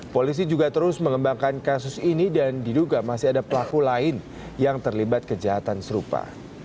polisi juga terus mengembangkan kasus ini dan diduga masih ada pelaku lain yang terlibat kejahatan serupa